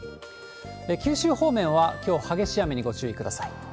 九州方面はきょう、激しい雨にご注意ください。